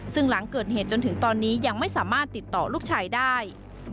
ซึ่งหลังเกิดเหตุจนถึงตอนนี้ยังไม่สามารถติดต่อลูกชายได้